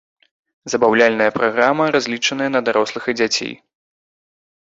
Забаўляльная праграма разлічаная на дарослых і дзяцей.